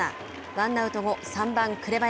ワンアウト後、３番紅林。